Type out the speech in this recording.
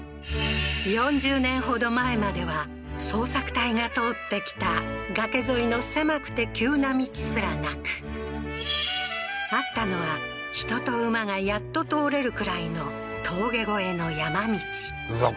４０年ほど前までは捜索隊が通ってきた崖沿いの狭くて急な道すら無くあったのは人と馬がやっと通れるくらいの峠越えの山道うわ